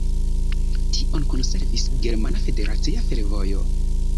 Tion konservis Germana Federacia Fervojo.